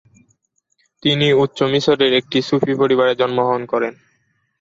তিনি উচ্চ মিশরের একটি সুফি পরিবারে জন্মগ্রহণ করেন।